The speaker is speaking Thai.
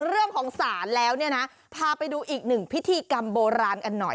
เรื่องของศาลแล้วเนี่ยนะพาไปดูอีกหนึ่งพิธีกรรมโบราณกันหน่อย